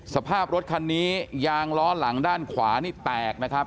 สภาพรถคันนี้ยางล้อหลังด้านขวานี่แตกนะครับ